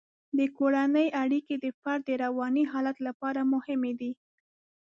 د کورنۍ اړیکې د فرد د رواني حالت لپاره مهمې دي.